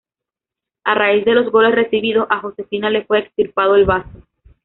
A raíz de los golpes recibidos, a Josefina le fue extirpado el bazo.